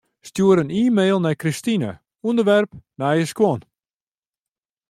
Stjoer in e-mail nei Kristine, ûnderwerp nije skuon.